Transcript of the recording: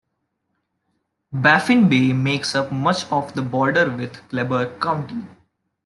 Baffin Bay makes up much of the border with Kleberg County.